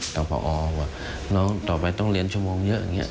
แต่พอว่าน้องต่อไปต้องเรียนชั่วโมงเยอะอย่างนี้